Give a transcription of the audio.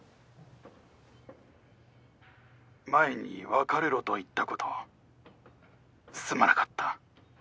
前に別れろと言ったことすまなかった。